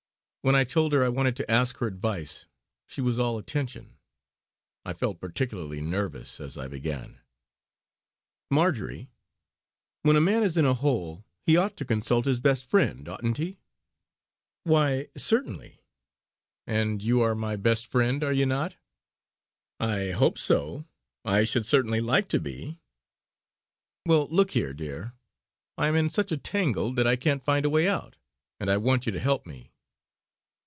When I told her I wanted to ask her advice she was all attention. I felt particularly nervous as I began: "Marjory, when a man is in a hole he ought to consult his best friend; oughtn't he?" "Why certainly!" "And you are my best friend; are you not?" "I hope so! I should certainly like to be." "Well, look here, dear, I am in such a tangle that I can't find a way out, and I want you to help me."